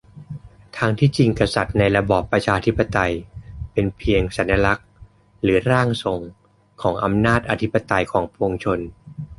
ทั้งที่จริงนั้นกษัตริย์ในระบอบประชาธิปไตยเป็นเพียงสัญลักษณ์หรือ "ร่างทรง" ของอำนาจอธิปไตยของปวงชน